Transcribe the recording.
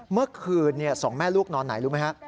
เมื่อคืน๒แม่ลูกนอนไหนรู้ไหมฮะ